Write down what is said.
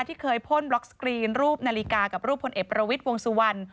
ที่เคยพ่นบล็อกสกรีนรูปนาฬิกากับรูปพลเอกประวิทย์วงสุวรรณ